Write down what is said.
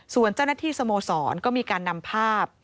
ส่วนเจ้าหน้าที่สโมสรก็มีการนำภาพ